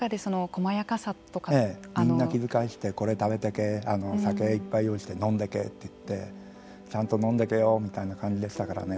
みんな気遣いしてこれ食べていけ酒いっぱい用意して飲んでけって言ってちゃんと飲んでけよみたいな感じでしたからね。